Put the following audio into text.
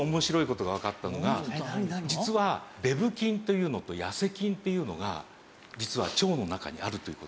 実はデブ菌っていうのと痩せ菌っていうのが実は腸の中にあるという事。